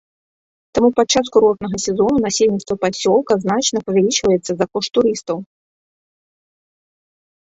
Таму падчас курортнага сезону насельніцтва пасёлка значна павялічваецца за кошт турыстаў.